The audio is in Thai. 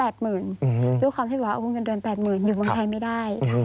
ด้วยความที่ว่าวงเงินเดือน๘๐๐๐อยู่เมืองไทยไม่ได้